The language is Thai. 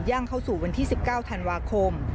เข้าสู่วันที่๑๙ธันวาคม